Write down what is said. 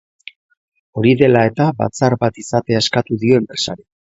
Hori dela eta, batzar bat izatea eskatu dio enpresari.